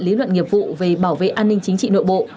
lý luận nghiệp vụ về bảo vệ an ninh chính trị nội bộ